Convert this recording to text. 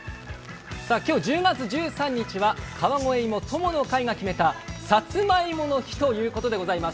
今日１０月１３日は川越いも友の会が決めたさつまいもの日ということでございます。